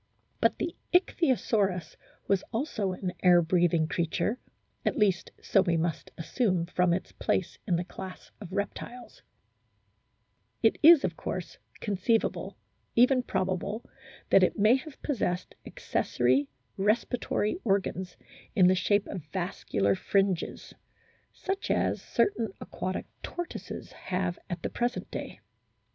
But the Ichthyosaurus was also an air breathing creature, at least so we must assume from its place in the class of reptiles ; it is, of course, conceivable, even probable, that it may have possessed accessory respiratory organs in the shape of vascular 12 A BOOK OR WHALES fringes, such as certain aquatic tortoises have at the present day.